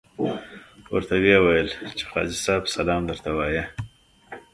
ورته ویې ویل چې قاضي صاحب سلام درته وایه.